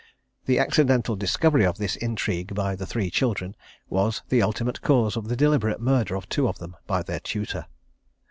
The accidental discovery of this intrigue by the three children, was the ultimate cause of the deliberate murder of two of them by their tutor.